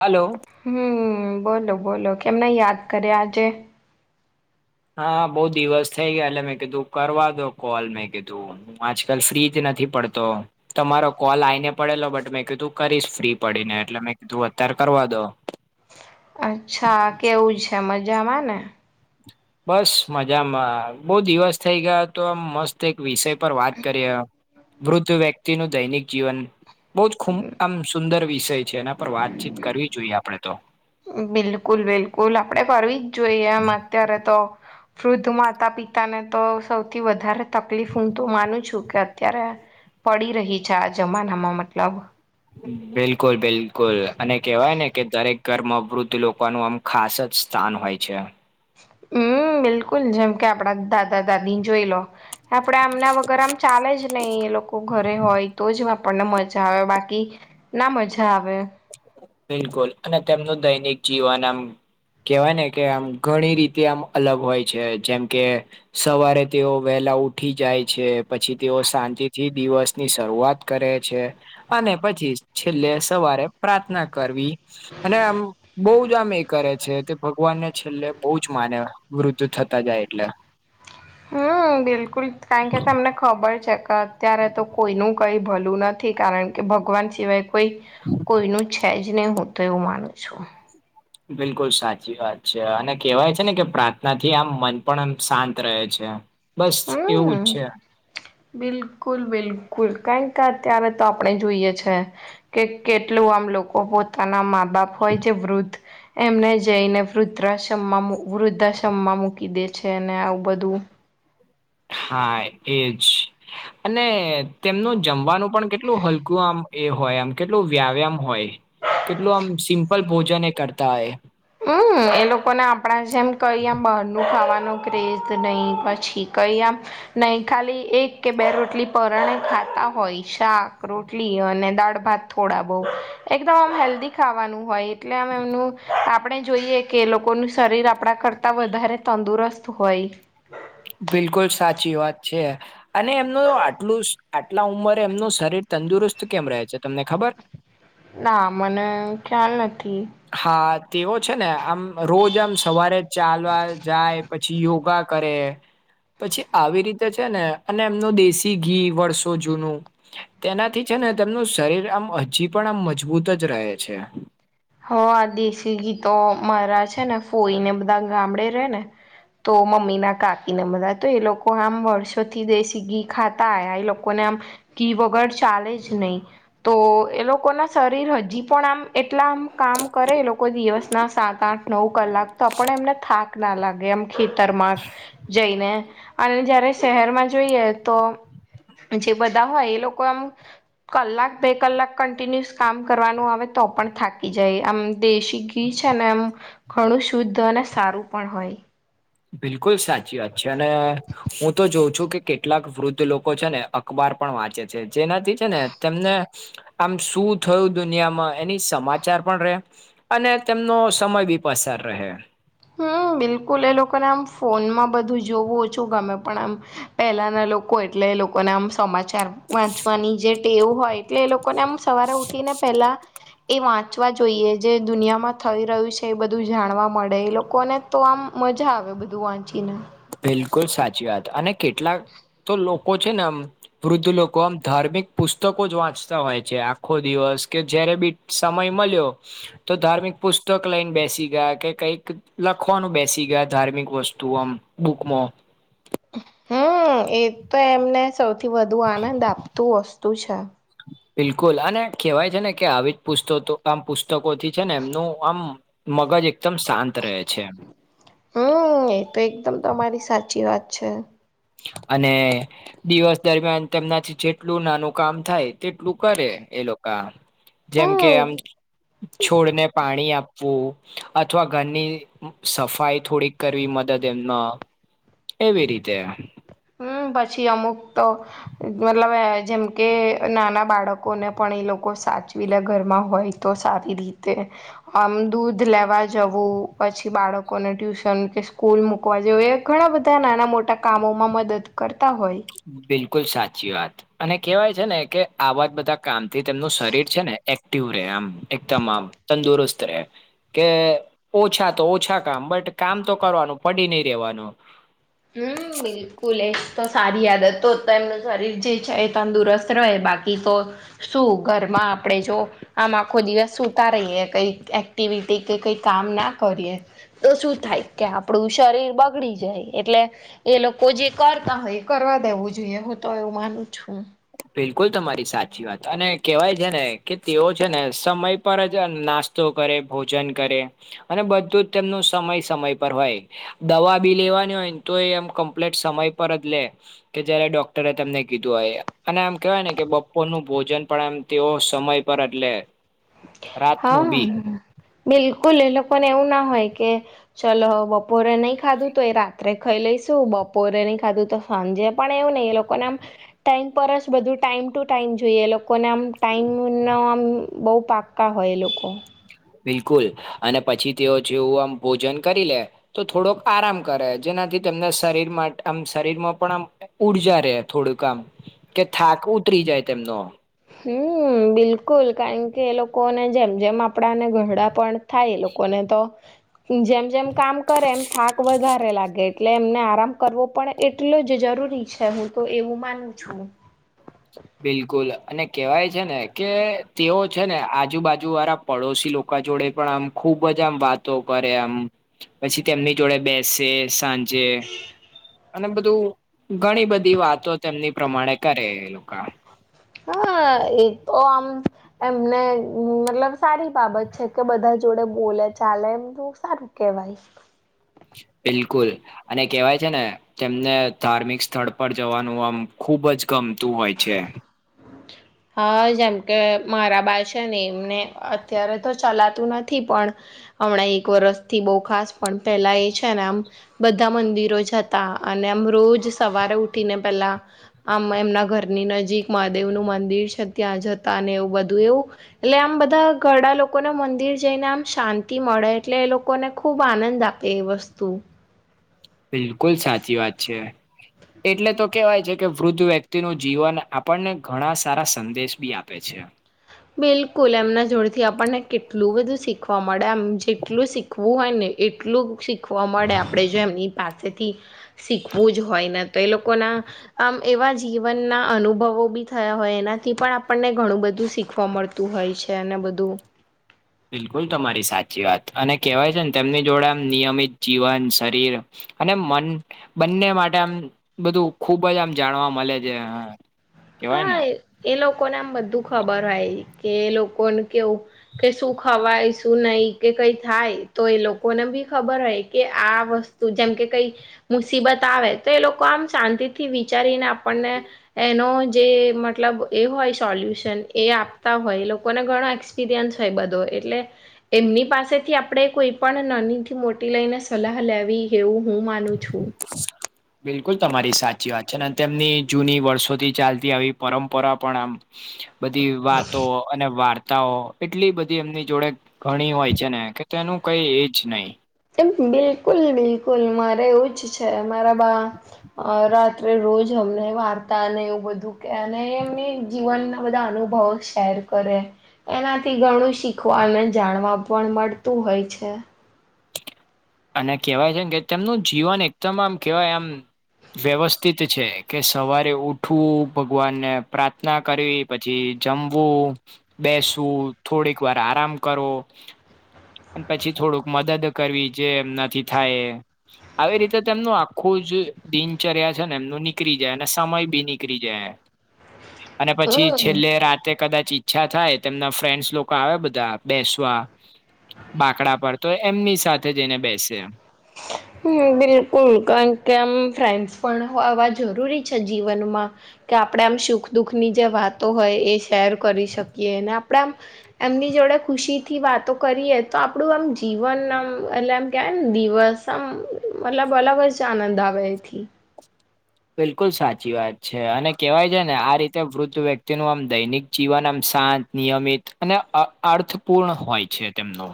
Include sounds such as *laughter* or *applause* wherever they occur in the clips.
Hello હમ્મ બોલો બોલો કેમને યાદ કરે આજે હા બઉુ દિવસ થઇ ગયા એટલે મેં કીધું કરવા દો કોલ મેં કીધું હું આજકાલ ફ્રીજ નથી પડતો તમારો કોલ આઈને પડેલો બટ મેં કીધું કરીશ ફ્રી પડીને એટલે મેં કીધું અત્યારે કરવા દો. અચ્છા કેવું છે મજામાં ને. બસ મજામાં બહુ દિવસ થઈ ગયા હતો આમ મસ્ત એક વિષય પર વાત કરીએ વૃદ્ધ વ્યક્તિ નું દૈનિક જીવન બહુ જ ખૂ આમ સુંદર વિષય છે એના પર વાતચીત કરવી જોઈએ આપડણે તો. બિલકુલ બિલકુલ આપડે ફવી જ જોઈએ એમ અત્યારે તો વૃદ્ધ માતા પિતાને તો સૌથી વધારે તકલીફ હું તો માનું છું કે અત્યારે પડી રહી ચા જમાનામાં મતલબ બિલકુલ બિલકુલ અને કેવાય ને કે દરેક ઘરમાં અવૃદ્ધ લોકોનું આમ ખાસ જ સ્થાન હોય છે. હમ બિલકુલ જેમ કે આપડા દાદા દાદી જોઈ લો આપડે આમના વગર આમ ચાલે જ નહી એ લોકો ઘરે હોય તો જ આપણને મજા આવે બાકી ના મજા આવે બિલકુલ અને તેમનું દૈનિક જીવન આમ કેવાય ને કે આમ ઘણી રીતે આમ અલગ હોય છે જેમ કે સવારે તેઓ વહેલા ઉઠી જાય છે પછી તેઓ શાંતિથી દિવસ ની શરૂઆત કરે છે અને પછી છેલ્લે સવારે પ્રાર્થના કરવી અને આમ બહ જ આમ એક કરે છે તે ભગવાનને છેલ્લે બહુ જ માને વૃદ્ધ થતા જાય એટલે હમ બિલકુલ કારઈ કેતા તમને ખબર છે કે અત્યારે તો કોઈનું કઈ ભલું નથી કારણ કે ભગવાન સિવાય કોઈ કોઈ ન છે જ નહી હું તો એવું માનું છું બિલકુલ સાચી વાત છે અને કેહેવાય છે ને કે પ્રાર્થના થી આમ મન પણ શાંત રહે છે બસ એવું જ હમ છે બિલકુલ બિલકુલ કઈક અત્યારે તો આપણે જોઈએ છે કે કેટલું આમ લોકો પોતાના મા બાપ હોય જે વૃદ્ધ એમને જઈને વૃદ્ધાશ્રમમાં વૃદ્ધાશ્રમમાં મૂકી દે છે અને આવું બધું હા એજ અને તેમનું જમવાનું પણ કેટલું હલકું આમ એ હોય આમ કેટલું વ્યાવ્યામ હોય કેટલું આમ સિમ્પલ ભોજન એ કરતા હોય હમ એ લોકોને આપણા જેમ કહી આમ બહારનું ખાવાનો ક્રેઝ નહી પછી કહી આમ નહી ખાલી એક કે બે રોટલી પરણે ખાતા હોય શાક રોટલી અને દાળ ભાત થોડા બહ એકદમ આમ હેલ્ધી ખાવાનું હોય એટલે આમ એમનું આપણે જોઈએ કે લોકોનું શરીર આપણા કરતાં વધારે તંદુરસ્ત હોય બિલકુલ સાચી વાત છે અને એમનું આટલું આટલા ઉંમરે એમનું શરીર તંદુરસ્ત કેમ રહે છે તમને ખબર ના મને ખ્યાલ નથી હા તેવો છે ને આમ રોજ આમ સવારે જ ચાલવા જાય પછી યોગા કરે પછી આવી રીતે છે ને અને એમનું દેશી ઘી વર્ષો જૂનું તેનાથી છે ને તેમનું શરીર આમ હજી પણ આમ મજબૂત જ રહે છે હ આ દેશી ગીતો મારા છે ને ફોઈ ને બધા ગામડે રે ને તો મમ્મીના કાકીને બધા તો એ લોકો આમ વર્ષોથી દેશી ઘી ખાતા આવ્યા એ લોકોને આમ કી વગર ચાલે જ નહી તો એ લોકો ના શરીર હજી પણ આમ એટલા આમ કામ કરે લોકો દિવસના સાત આઠ નવ કલાક તો આપ એમને થાક ના લાગે એમ ખેતરમાં જઈને અને જયારે શહેરમાં જોઈએ તો જે બધા હોય એ લોકો આમ કલાક બે કલાક કન્ટિન્યુઅસ કામ કરવાનું આવે તો પણ થાકે જાય આમ દેશી ઘી છે ને આમ ઘણું શુદ્ધ અને સારું પણ હોય બિલકુલ સાચી વાત છે અને હું તો જોઉં છું કે કેટલાક વૃદ્ધ લોકો છે ને અખબાર પણ વાંચે છે જેનાથી છે ને તેમને આમ શું થયું દુનિયામાં એની સમાચાર પણ ર અને તેમનો સમય બી પસાર રહે હમ બિલકુલ એ લોકોને આમ ફોનમાં બધું જોવું ઓછું ગમે પણ આમ પહેલાના લોકો એટલે લોકોને આમ સમાજ ચાર વાંચવાની જે ટેવ હોય એટલે એ લોકો ને આમ સવારે ઉઠીને પેલા એ વાંચવા જોઈએ જે દુનિયામાં થઈ રહ્યું છે એ બધું જાણવા મળે એ લોકો લોકોને તો આમ મજા આવે બધું વાંચીને બિલકુલ સાચી વાત અને કેટલાક તો લોકો છે ને આમ વૃદ્ધ લોકો આમ ધાર્મિક પુસ્તકો જ વાંચતા હોય છે આખો દિવસ કે જયારે બી સમય મળ્યો તો ધાર્મિક પુસ્તક લઈને બેસી ગયા કે કઈક લખવાનું બેસી ગયા ધાર્મિક વસ્તુ આમ બુકમાં હમ એ તો એમને સૌથી વધુ આનંદ આપતું વસ્તુ છે. બિલકુલ અને કહેવાય છે ને કે આવી જ પુસ્તકો આમ પુસ્તકોથી છે ને એમનું આમ મગજ એકદમ શાંત રહે છે એ હમ એ તો એકદમ તમારી સાચી વાત છે અને દિવસ દરમિયાન તેમનાથી જેટલું નાનું કામ થાય તેટલું કરે એ લોકો જેમ કે હમ. આમ છોડને પાણી આપવું અથવા ઘરની. સફાઈ થોડીક કરવી મદદ એમના એવી રીતે. હમ પછી અમુક તો. મતલબ જેમ કે નાના બાળકોને પણ એ લોકો સાચવી લે ઘરમાં હોય. તો સારી રીતે આમ દૂધ લેવા જવું પછી બાળકોને ટ્યુશન કે સ્કૂલ મુક વા જે ઘણા બધા નાના મોટા કામોમાં મદદ કરતા હોય. બિલકુલ સાચી વાત અને કેહેવાય છે ને કે આવા બધા કામ થી તેમનું શરીર છે ને એક્ટિવ રહે આમ એકદમ આમ તંદુરસ્ત રહે. કે ઓછા તો ઓછા કામ બટ કામ તો કરવાનું પડી નહી રેવાનું. હમ બિલ ફુલેસ તો સારી આયાદત તો તો એમનું શરીર જે છે એ તંદુરસ્ત રહે બાકી તો શું ઘરમાં આપણેે જો આમ આખો દિવસ સુૂતા રહીએ કઈક એક્ટિવિટી કે કઈ કામ ના કરીએ તો શું થાય? કે આપણું શરીર બગડી જાય. એટલે એ લોકો જે કરતા હોય, એ કરવા દેવું જોઈએ. હું તો એવું માનું છું. બિલકુલ, તમારી સાચી વાત. અને કેવાય છે ને કે તેઓ છે ને સમય પર જ નાસ્ નાસ્તો કરે, ભોજન કરે, અને બધું જ તેમનો સમય સમય પર હોય. દવા બી લેવાની હોય ને, તો એ એમ કમ્પ્લીટ સમય પર જ લે. કે જયારે ડોક્ટરે તમને કીધું આ એમ અને આમ કેહેવાય ને કે, બપોર નું ભોજન પણ એમ તેઓ સમય પર, જ લે. હા, બિલકુલ. એ લોકોને એવું ના હોય કે, ચલો. બપોરે નહીં ખાધું, તો એ રાત્રે ખાઈ લઈશું. બપોરે ની ખાધું, તો સાંજે પણ એવું નહીં. એ લોકોને આમ ટાઈમ પર જ બધું, ટાઈમ ટુ ટાઈમ જોઈએ. લોકોને આમ ટાઈમનો આમ બહુ પાક પાકા હોય એ લોકો. બિલકુલ. અને પછી તેઓ જેવું આમ ભોજન કરી લે. તો થોડોક આરામ કરે, જેનાથી તેમના શરીર માટે આમ, શરીરમાં પણ આમ ઉર્જા રે, થોડું આમ કે થાક ઉતરી જાય તેમનો. હમ, બિલકુલ. કારણ કે એ લોકોને જેમ જેમ આપ કપડાંને ગરડા પણ થાય, એ લોકોને તો જેમ જેમ કામ કરે, એમ થાક વધારે લાગે. એટલે એમને આરામ કરવો પણ એટલો જ જરૂરી છે. હું તો એવું માનું. છું બિલકુલ. અને કેવાય છે ને કે, તેઓ છે ને આજુબાજુ વાળા પડોશી લોકો જોડે પણ આમ, ખુબ જ આમ વાતો કરે આમ. પછી તેમની જોડે બેસે સાંજે. જે અને બધું ઘણી બધી વાતો તેમની પ્રમાણે કરે કામ *inaudible* હા, એ તો આમ. એમને, મતલબ, સારી બાબત છે કે બધા જોડે બોલે-ચાલે, એમ જો સારું. કહેવાય. બિલકુલ, અને કેવાય છે ને તેમને ધાર્મિક સ્થળ પર જવાનું આમ ખુબ જ ગમતું હોય છે. હા, જેમ કે મારા બા છે ને, એમને અત્યારે તો ચલાતું નથી, પણ હમણાં એક વરસથી બહુ ખાસ, પણ પહેલા એ છે ને, આમ બધા મંદિરો જતા, અને આમ રોજ સવારે ઉઠીને પહેલા આમ, એમના ઘરની નજીક મહાદેવનું મંદિર છે. ત્યાં જતા, એવું બધું એવું એટલે આમ, બધા ઘરડા લોકોને મંદિર જઈને આમ શાંતિ મળે, એટલે એ લોકોને ખુબ આનંદ આવે. તે વસ્તુ બિલકુલ, સાચી વાત છે. એટલે તો કેહેવાય છે કે વૃદ્ધ વ્યક્તિ નું જીવન આપણને ઘણા સારા સંદેશ બી આપે છે. બિલકુલ, એમના જોડેથી આપણને કેટલું બધું શીખવા મળે. એમ જેટલું શીખવું શીખવું હોય ને, એટલું શીખવા મળે, આપણે જે એમની પાસેથી શીખવું જ હોય ને, તો એ લોકોના આમ, એવા જીવનના અનુભવો બી થયા હોય, એનાથી પણ આપણને ઘણું બધું શીખ શીખવા મળતું હોય છે, અને બધું બિલકુલ, તમારી સાચી વાત. અને કહેવાય છે ને, તેમની જોડે આમ નિયમિત જીવન શરીર અને મન બંને માટે આમ બધું ખુબ જ આમ જાણવા મળે છે. કેવાય ને હા, એ લોકોને આમ બધું ખબર હોય કે એ લોકોને કેવું કે શું ખવાય, શું નહીં, કે કંઈ થાય, તો એ લોકોને બી ખબર હોય કે આ વસ્તુ જેમ કે, કઈ મુસીબત આવે, તો એ લોકો આમ શાંતિથી વિચારીને આપણને એનો જે, મતલબ, એ હોય સોલ્યુશન એ આપતા હોય. લોકોને ઘણો એક્સપ ધ્યાન છે બધો એટલે એમની પાસેથી આપણે કોઈ પણ નાની થી મોટી લઈને સલાહ લેવી એવું હું માનું છું. *inaudible* *unintelligible* બિલકુલ તમારી સાચી વાત છે ને તેમની જૂની વર્ષોથી ચાલતી આવી પરંપરા પણ આમ બધી વાતો અને વાર્તાઓ એટલી બધી એમની જોડે ઘણી હોય છે ને કે તેનું કઈ એજ નહી. બિલકુલ બિલકુલ મારે એવું જ છે મારા બાત આપ રોજ અમને વાર્તા અને એવું બધું કે અને એમને જીવનના બધા અનુભવો શેર કરે એનાથી ઘણું શીખવા અને જાણવા પણ મળતું હોય છે. અને કહેવાય છે કે તેમનું જીવન એકદમ આમ કહેવાય આમ વ્યવસ્થિત છે કે સવારે ઉઠવું, ભગવાનને પ્રાર્થના કરી પછી જમવું, બેસવું, થોડીક વાર આરામ કરો, પછી થોડુંક મદદ કરવી જે એમનાથી થાય એ આવી રીતે તેમનું આખું જ દિનચર્યા છે ને એમનું નીકળી જાય અને સમય ભી નીકળી જાય. અને પછી હમ છેલ્લે રાતે કદાચ ઇચ્છા થાય તેમના ફ્રેન્ડ્સ લોકો આવે બધા બેસવા બાકડા પર તો એમની સાથે જઈને બેસે હુ બિલકુલ કારણ કે આમ ફ્રેન્ડસ પણ આવા જરૂરી છે, જીવનમાં કે આપણે આમ સુખ દુઃખની જે વાતો હોય એ શેર કરી શકીએ ને આપણે આમ એમની જોડે ખુશીથી વાતો કરીએ તો આપણું આમ જીવન આમ એટલે એમ કહેવાય ને દિવસ અ મતલબ અલગ જ આનંદ આવે એથી બિલકુલ સાચી વાત છે અને કહેવાય છે ને આ રીતે વૃદ્ધ વ્યક્તિનું આમ દૈનિક જીવન આમ શાંત નિયમિત અને અર્થપૂર્ણ હોય છે. તેમનો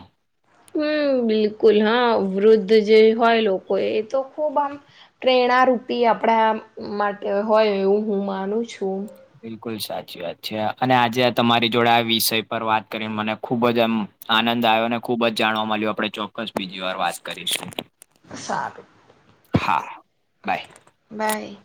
હમ્મ બિલકુલ હા વૃદ્ધ જે હોય લોકો એ તો ખુબ આમ પ્રેયણ રૂપી આપણા માટે હોય એવું હું માનું છું. બિલકુલ સાચી વાત છે અને આજે તમારી જોડે આ વિષય પર વાત કરીને મને ખુબ જ આમ આનંદ આવ્યો ને, ખુબ જ જાણવા મળ્યું, આપણે ચોક્કસ બીજી વાર વાત કરીશું. સારું હા બાય બાય